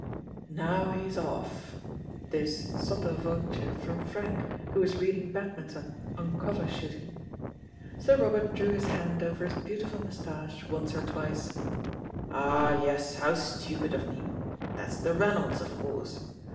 "Now he's off." This sotto voce from Frank, who was reading Badminton on Cover Shooting. Sir Robert drew his hand over his beautiful moustache once or twice. "Ah, yes, how stupid of me. That's the Reynolds, of course.